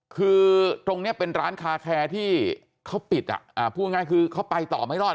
คือตรงนี้เป็นร้านคาแคร์ที่เขาปิดอ่ะพูดง่ายคือเขาไปต่อไม่รอด